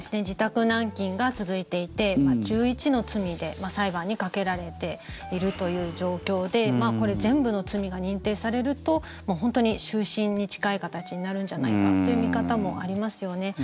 自宅軟禁が続いていて１１の罪で裁判にかけられているという状況でこれ、全部の罪が認定されると本当に終身に近い形になるんじゃないかという見方もありますよね。